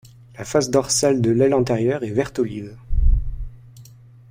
La face dorsale de l'aile antérieure est vert olive.